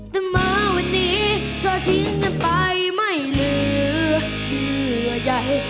แต่มาวันนี้เธอทิ้งกันไปไม่เหลือเหยื่อใหญ่